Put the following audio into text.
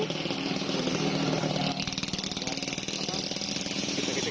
untuk menurut saya